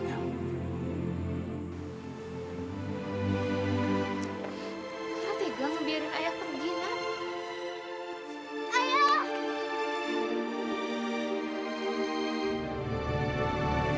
biar ayah yang pergi